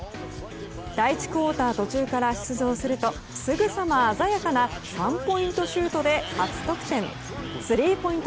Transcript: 第１クオーター途中から出場するとすぐさま鮮やかなスリーポイントシュートで初得点。